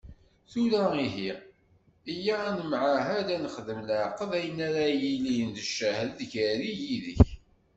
Tura ihi, yya ad nemɛahad, ad nexdem leɛqed ayen ara yilin d ccahed gar-i yid-k.